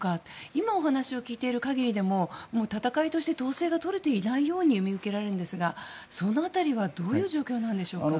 今、お話を聞いている限りでも戦いとして統制がとれていないように見受けられるんですがその辺りはどういう状況なんでしょうか。